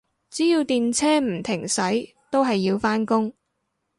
只要電車唔停駛，都係要返工